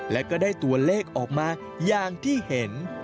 และก็ได้ตัวเลขออกมาอย่างที่เห็น